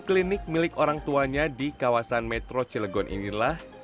klinik milik orang tuanya di kawasan metro cilegon inilah